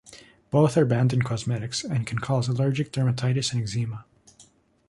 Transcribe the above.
Both are banned in cosmetics, and can cause allergic dermatitis and eczema.